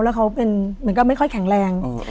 แล้วเขาเป็นเหมือนก็ไม่ค่อยแข็งแรง